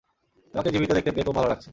তোমাকে জীবিত দেখতে পেয়ে খুব ভালো লাগছে!